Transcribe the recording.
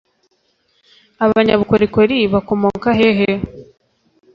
Abanyabukorikori bakomoka hehe